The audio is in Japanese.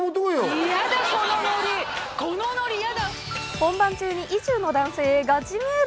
本番中に意中の男性へガチメール。